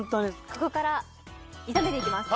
ここから炒めて行きます。